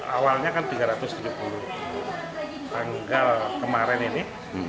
awalnya kan tiga ratus tujuh puluh tanggal kemarin ini